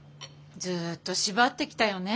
ずっと縛ってきたよね